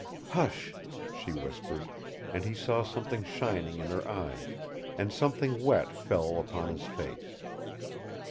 "Hush," she whispered, and he saw something shining in her eyes, and something wet fell upon his face.